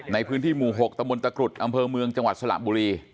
ในพื้นที่หมู่๖ตะมนตะกรุดอำเภอเมืองจังหวัดสระบุรี